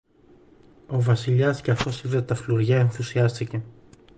Ο Βασιλιάς, καθώς είδε τα φλουριά, ενθουσιάστηκε.